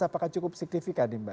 apakah cukup signifikan mbak